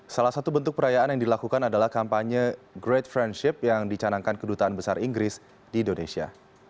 salah satu bentuk perayaan yang dilakukan adalah kampanye grade friendship yang dicanangkan kedutaan besar inggris di indonesia